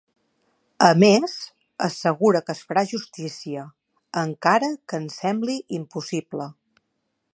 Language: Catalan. A més, assegura que es farà justícia, ‘encara que ens sembli impossible’.